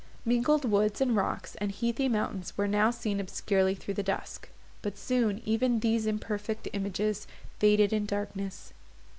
Mingled woods, and rocks, and heathy mountains were now seen obscurely through the dusk; but soon even these imperfect images faded in darkness.